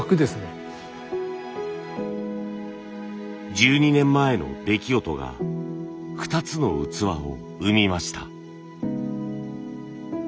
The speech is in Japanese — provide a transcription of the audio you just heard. １２年前の出来事が２つの器を生みました。